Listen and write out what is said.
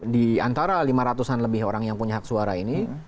di antara lima ratus an lebih orang yang punya hak suara ini